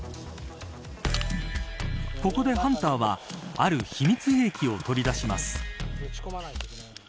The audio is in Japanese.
ここでハンターはある秘密兵器を取り出します。